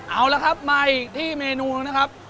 เอาละครับมาอีกที่เมนูนะครับ